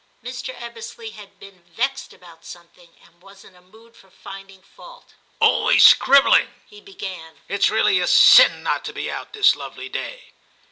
Mr. Ebbesley had been vexed about something, and was in a mood for finding fault. * Always scribbling,' he began ;* it's really a sin not to be out this lovely day.'